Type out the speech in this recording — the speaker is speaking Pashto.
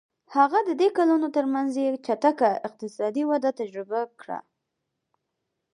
هغه د دې کلونو ترمنځ یې چټکه اقتصادي وده تجربه کړه.